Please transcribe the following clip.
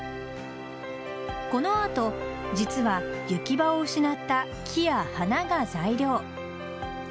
この後実は行き場を失った木や花が材料。